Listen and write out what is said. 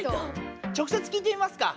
直せつ聞いてみますか。